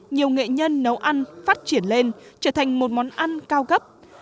nhiều nghệ nhân nấu ăn phát triển lên trở thành một món ăn cao gấp